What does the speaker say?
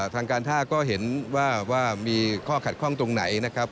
ทางการท่าก็เห็นว่ามีข้อขัดข้องตรงไหนนะครับ